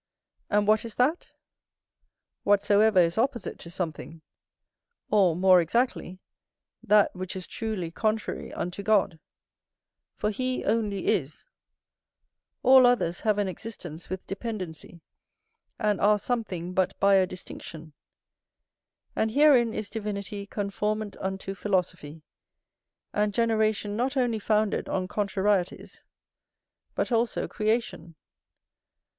And what is that? whatsoever is opposite to something; or, more exactly, that which is truly contrary unto God: for he only is; all others have an existence with dependency, and are something but by a distinction. And herein is divinity conformant unto philosophy, and generation not only founded on contrarieties, but also creation.